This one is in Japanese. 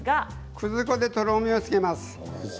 くず粉でとろみをつけます。